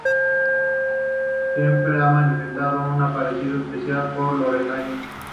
Siempre ha manifestado un aprecio especial por Lorelai.